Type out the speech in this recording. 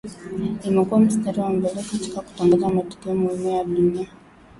imekua mstari wa mbele katika kutangaza matukio muhimu ya dunia